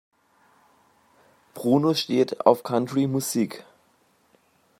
Bruno steht auf Country-Musik.